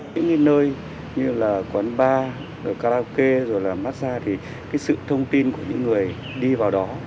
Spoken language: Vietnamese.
những cái nơi như là quán bar karaoke rồi là massage thì cái sự thông tin của những người đi vào đó